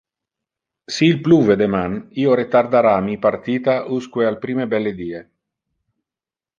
Si il pluve deman, io retardara mi partita usque al prime belle die.